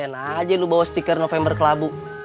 enak aja lu bawa stiker november kelabu